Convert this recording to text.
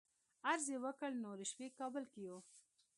عرض یې وکړ نورې شپې کابل کې یو.